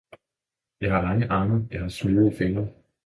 Jeg har lange arme, jeg har smidige fingre!